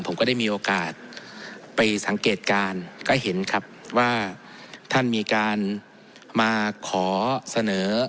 ผมก็ได้มีโอกาสไปสังเกตการณ์ก็เห็นครับว่าท่านมีการมาขอเสนอ